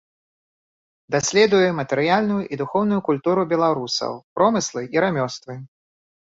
Даследуе матэрыяльную і духоўную культуру беларусаў, промыслы і рамёствы.